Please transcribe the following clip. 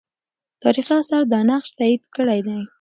تاریخي آثار دا نقش تایید کړی دی.